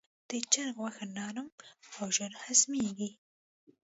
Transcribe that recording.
د چرګ غوښه نرم او ژر هضمېږي.